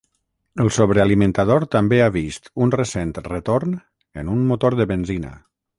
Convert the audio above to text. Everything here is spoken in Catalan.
El sobrealimentador també ha vist un recent retorn en un motor de benzina.